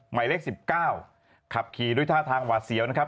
หมายเลข๑๙ขับขี่ด้วยท่าทางหวาดเสียวนะครับ